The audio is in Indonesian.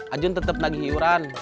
ajun tetep lagi hiuran